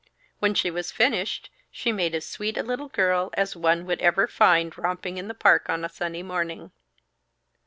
When she was finished, she made as sweet a little girl as one would ever find romping in the park on a sunny morning.